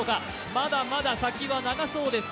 まだまだ先は長そうです。